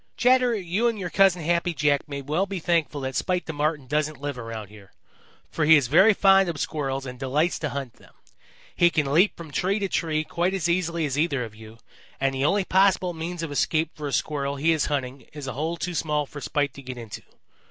"Chatterer, you and your Cousin Happy Jack may well be thankful that Spite the Marten doesn't live about here, for he is very fond of Squirrels and delights to hunt them. He can leap from tree to tree quite as easily as either of you, and the only possible means of escape for a Squirrel he is hunting is a hole too small for Spite to get into.